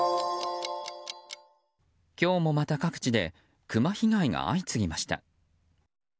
今日もまた各地でクマ被害が相次ぎました。